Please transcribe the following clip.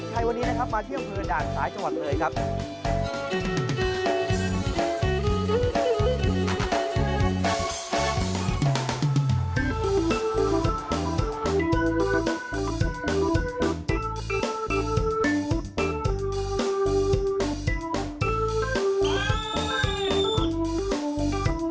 ใช่วันนี้นะครับมาเที่ยวเมืองด่างสายจังหวัดเมืองครับ